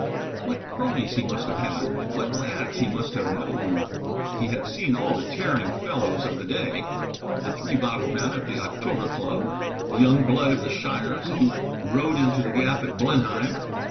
What cronies he must have had! what lads he must have known! He had seen all the tearing fellows of the day the three bottle men at the October Club, the young blood of the shires who rode into the gap at Blenheim.